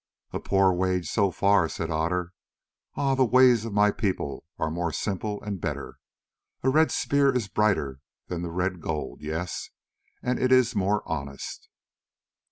"A poor wage so far," said Otter. "Ah! the ways of my people are more simple and better. A red spear is brighter than the red gold, yes, and it is more honest."